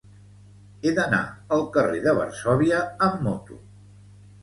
He d'anar al carrer de Varsòvia amb moto.